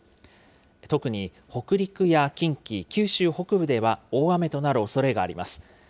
特に北陸や近畿、九州北部では大雨となるおそれがあります。